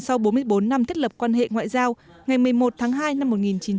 sau bốn mươi bốn năm thiết lập quan hệ ngoại giao ngày một mươi một tháng hai năm một nghìn chín trăm bảy mươi năm